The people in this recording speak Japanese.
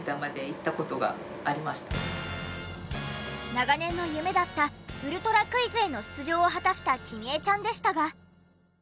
長年の夢だった『ウルトラクイズ』への出場を果たした紀美江ちゃんでしたが。